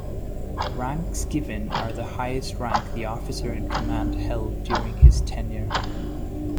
Ranks given are the highest rank the officer in command held during his tenure.